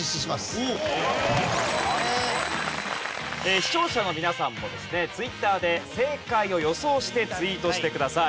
視聴者の皆さんもですねＴｗｉｔｔｅｒで正解を予想してツイートしてください。